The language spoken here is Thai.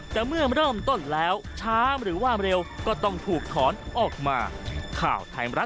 แต่เมื่อเริ่มต้นแล้วช้าหรือว่าเร็วก็ต้องถูกถอนออกมา